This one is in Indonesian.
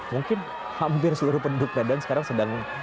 mungkin hampir seluruh penduduk medan sekarang sedang